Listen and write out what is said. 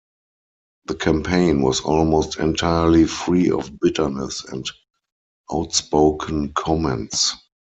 The campaign was almost entirely free of bitterness and outspoken comments.